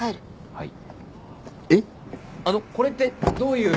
はい。